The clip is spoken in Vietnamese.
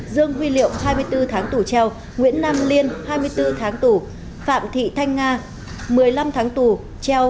dương huy liệu hai mươi bốn tháng tù treo nguyễn nam liên hai mươi bốn tháng tù phạm thị thanh nga một mươi năm tháng tù treo